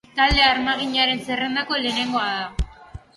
Talde armaginaren zerrendako lehenengoa da.